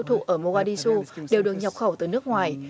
rau thủ ở mogadishu đều được nhập khẩu từ nước ngoài